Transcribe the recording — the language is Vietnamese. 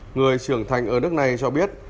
tám mươi sáu người trưởng thành ở nước này cho biết